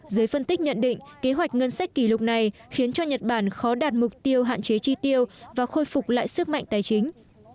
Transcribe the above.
dưới phân tích nhận định kế hoạch ngân sách kỷ lục này khiến cho nhật bản khó đạt mục tiêu hạn chế chi tiêu và khôi phục lại sức mạnh tài chính